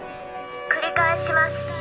繰り返します。